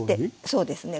そうですね。